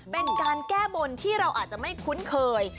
เป็นการแก้บนที่เราอาจจะไม่คุ้นเคย